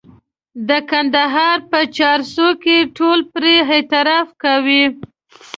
د کندهار په چارسو کې ټولو پرې اعتراف کاوه.